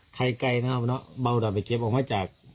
ไข่ไกลนะครับโป้ดอไปเก็บออกมาจาก